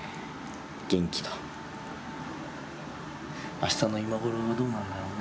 明日の今頃はどうなんだろうね。